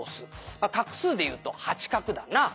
「まあ画数でいうと８画だな」